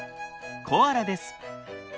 コアラです。